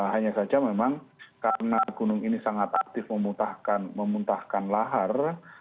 hanya saja memang karena gunung ini sangat aktif memuntahkan lahar